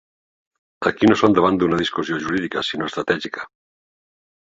Aquí no som davant una discussió jurídica sinó estratègica.